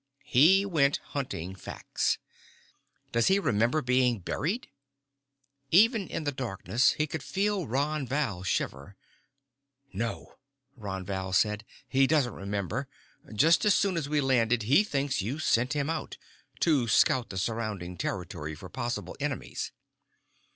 He went hunting facts. "Does he remember being buried?" Even in the darkness he could feel Ron Val shiver. "No," Ron Val said. "He doesn't remember. Just as soon as we landed, he thinks you sent him out, to scout the surrounding territory for possible enemies."